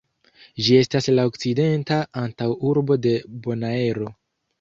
Ĝi estas la okcidenta antaŭurbo de Bonaero.